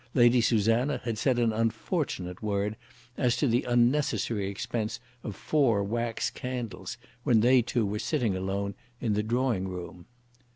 Lady Susanna had said an unfortunate word as to the unnecessary expense of four wax candles when they two were sitting alone in the drawing room.